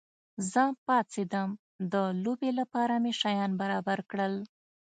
زه پاڅېدم، د لوبې لپاره مې شیان برابر کړل.